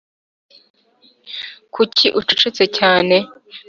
kuki ucecetse cyane!